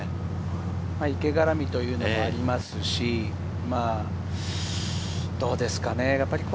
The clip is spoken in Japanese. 池がらみというのもありますし、どうですかね？